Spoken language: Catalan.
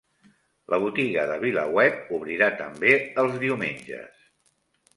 La Botiga de VilaWeb obrirà també els diumenges